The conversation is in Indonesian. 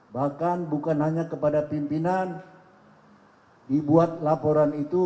bahkan bukan hanya kepada pimpinan dibuat laporan itu